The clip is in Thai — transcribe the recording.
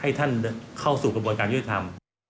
ให้ท่านเข้าสู่กระบวนการยุติธรรม